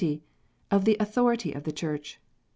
Of the Authority of the Church.